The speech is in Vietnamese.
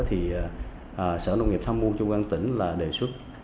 thì sở nông nghiệp tham mưu châu quang tỉnh là đề xuất